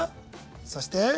そして？